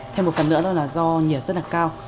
thêm một phần nữa đó là do nhiệt rất là cao